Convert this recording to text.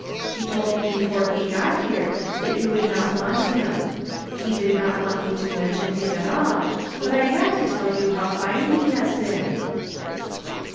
He told me before he got here that you would not want him. He did not want me to mention him at all, but I had to tell you how fine he has been."